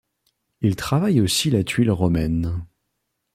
Il travaille aussi la tuile romaine.